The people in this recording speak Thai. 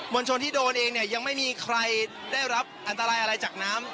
ลชนที่โดนเองเนี่ยยังไม่มีใครได้รับอันตรายอะไรจากน้ำ